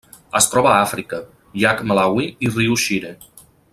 Es troba a Àfrica: llac Malawi i riu Shire.